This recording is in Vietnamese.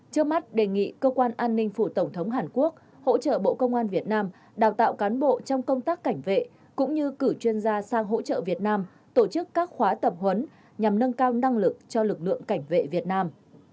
trước mắt đề nghị cơ quan an ninh phủ tổng thống hàn quốc hỗ trợ bộ công an việt nam đào tạo cán bộ trong công tác cảnh vệ cũng như cử chuyên gia sang hỗ trợ việt nam tổ chức các khóa tập huấn nhằm nâng cao năng lực cho lực lượng cảnh vệ việt nam